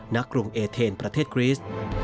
นักกรุงเอเทนประเทศกรีส